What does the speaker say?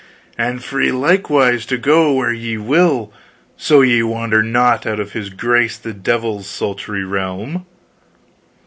And free likewise to go where ye will, so ye wander not out of his grace the Devil's sultry realm."